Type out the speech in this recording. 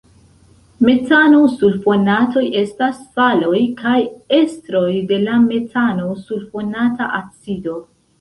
Metano-sulfonatoj estas saloj kaj esteroj de la metano-sulfonata acido.